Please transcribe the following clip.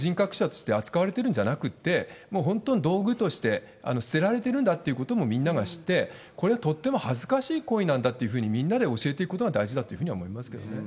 つまり本当に一人の人格者として扱われてるんじゃなくて、もう本当に道具として捨てられてるんだっていうこともみんなが知って、これはとっても恥ずかしい行為なんだっていうふうに、みんなで教えていくことが大事だというふうに思いますけどね。